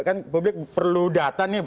kan publik perlu data nih